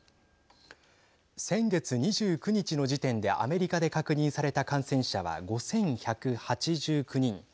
先月２９日の時点でアメリカで確認された感染者は５１８９人。